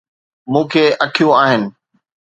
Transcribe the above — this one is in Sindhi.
مون کي اکيون آهن.